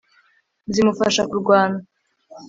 zimufasha kurwana